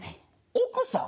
奥さん？